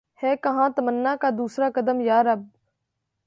ہے کہاں تمنا کا دوسرا قدم یا رب